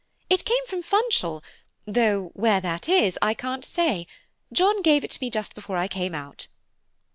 "It came from Funchal, though where that is I can't say; John gave it to me just before I came out."